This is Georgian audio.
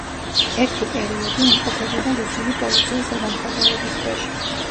ერთი პერიოდი იმყოფებოდა რუსული პოლიციის ზედამხედველობის ქვეშ.